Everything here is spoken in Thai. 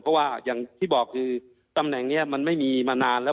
เพราะว่าอย่างที่บอกคือตำแหน่งนี้มันไม่มีมานานแล้ว